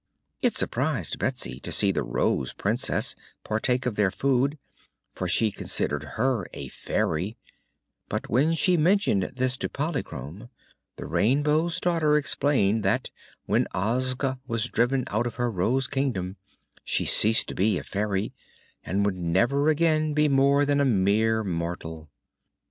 It surprised Betsy to see the Rose Princess partake of their food, for she considered her a fairy; but when she mentioned this to Polychrome, the Rainbow's Daughter explained that when Ozga was driven out of her Rose Kingdom she ceased to be a fairy and would never again be more than a mere mortal.